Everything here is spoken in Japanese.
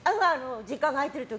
時間が空いてる時。